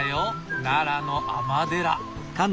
奈良の尼寺。